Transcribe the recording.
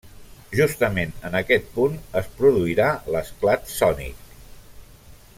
Justament en aquest punt es produirà l'esclat sònic.